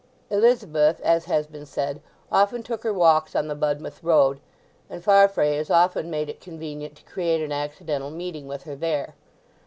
Elizabeth, as has been said, often took her walks on the Budmouth Road, and Farfrae as often made it convenient to create an accidental meeting with her there.